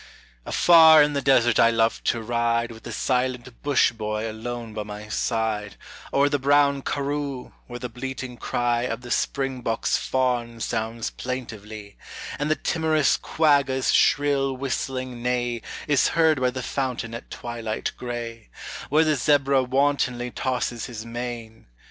Afar in the desert I love to ride, With the silent Bush boy alone by my side, O'er the brown karroo, where the bleating cry Of the springbok's fawn sounds plaintively; And the timorous quagga's shrill whistling neigh Is heard by the fountain at twilight gray; Where the zebra wantonly tosses his mane.